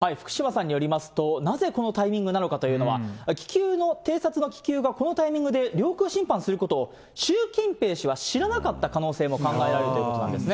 福島さんによりますと、なぜこのタイミングなのかというのは、気球の、偵察の気球がこのタイミングで領空侵犯することを、習近平氏は知らなかった可能性も考えられるということなんですね。